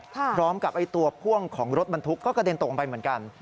พร้อมกับตัวพ่วงของรถบรรทุกก็กระเด็นตกลงไปเหมือนกัน